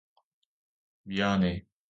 미안해.